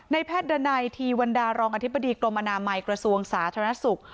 ในแพทย์ดันไหนทีวันดารองอธิบดีกรมนามัยกระสูรองศาสนสุข